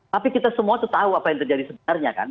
tapi kita semua itu tahu apa yang terjadi sebenarnya kan